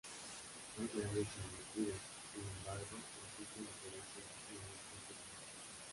Hay grandes similitudes, sin embargo existen diferencias no despreciables.